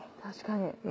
確かに。